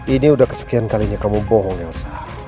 ini udah kesekian kalinya kamu bohong elsa